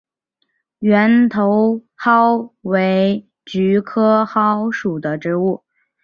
圆头蒿为菊科蒿属的植物。